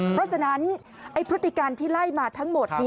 เพราะฉะนั้นพฤติการที่ไล่มาทั้งหมด